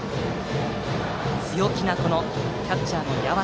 強気なキャッチャーの八幡。